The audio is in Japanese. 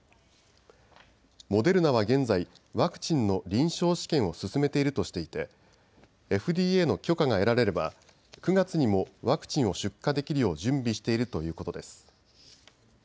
モデルナは現在、ワクチンの臨床試験を進めているとしていてＦＤＡの許可が得られれば９月にもワクチンを出荷できるよう準備しているということです。